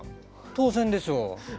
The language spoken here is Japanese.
当然でしょう。